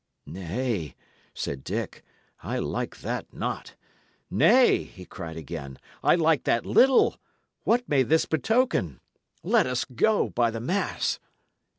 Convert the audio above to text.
"Nay," said Dick, "I like not that. Nay," he cried again, "I like that little. What may this betoken? Let us go, by the mass!"